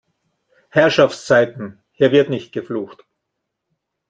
Herrschaftszeiten, hier wird nicht geflucht!